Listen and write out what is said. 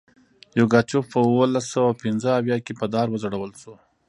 یوګاچف په اوولس سوه پنځه اویا کې په دار وځړول شو.